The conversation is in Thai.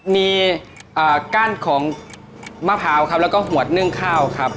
มีกั้นของมะพร้าวครับแล้วก็หัวนึ่งข้าวครับ